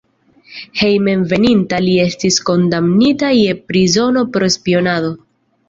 Hejmenveninta li estis kondamnita je prizono pro spionado.